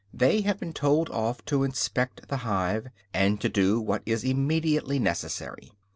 They have been told off to inspect the hive, and to do what is immediately necessary.